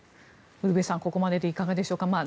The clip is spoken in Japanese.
ウルヴェさん、ここまででいかがでしょうか。